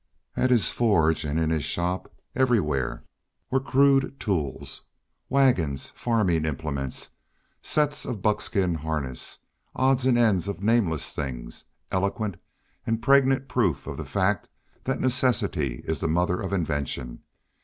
At his forge and in his shop, everywhere, were crude tools, wagons, farming implements, sets of buckskin harness, odds and ends of nameless things, eloquent and pregnant proof of the fact that necessity is the mother of invention.